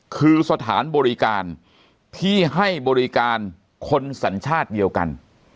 คือสถานบริการที่ให้บริการคนสัญชาติเดียวกัน